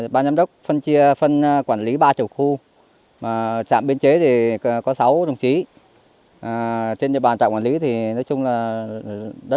ban giám đốc phân quản lý ba chủ khu trạm biên chế có sáu đồng chí trên bàn trạm quản lý đất rừng và diện tích rừng rất phức tạp